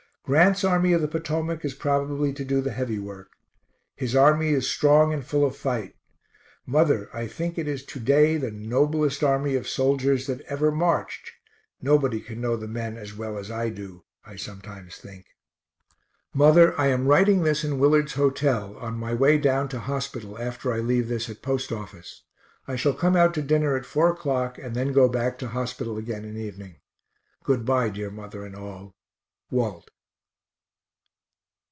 Grant's Army of the Potomac is probably to do the heavy work. His army is strong and full of fight. Mother, I think it is to day the noblest army of soldiers that ever marched nobody can know the men as well as I do, I sometimes think. Mother, I am writing this in Willard's hotel, on my way down to hospital after I leave this at post office. I shall come out to dinner at 4 o'clock and then go back to hospital again in evening. Good bye, dear mother and all. WALT.